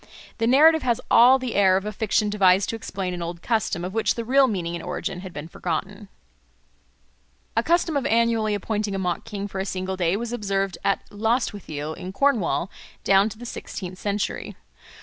The narrative has all the air of a fiction devised to explain an old custom, of which the real meaning and origin had been forgotten. A custom of annually appointing a mock king for a single day was observed at Lostwithiel in Cornwall down to the sixteenth century.